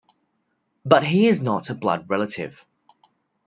But he is not a blood relative.